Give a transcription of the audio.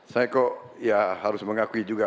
saya kok ya harus mengakui juga